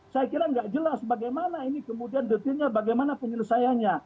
saya kira nggak jelas bagaimana ini kemudian detailnya bagaimana penyelesaiannya